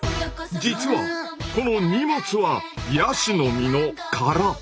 実はこの荷物はヤシの実の殻。